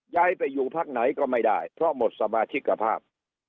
ย้ายไปอยู่พักไหนก็ไม่ได้เพราะหมดสมาชิกภาพ